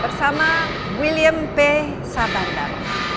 bersama william p sabandar